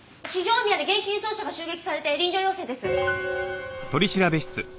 大宮で現金輸送車が襲撃されて臨場要請です。